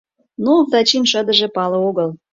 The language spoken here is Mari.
Но Овдачин шыдыже пале огыл.